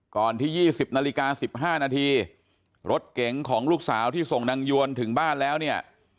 ก่อนที่๒๐นาฬิกา๑๕นาทีรถเก๋งของลูกสาวที่ส่งนางยวนถึงบ้านแล้วเนี่ย